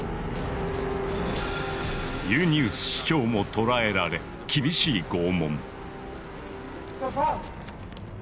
ユニウス市長も捕らえられ厳しい拷問。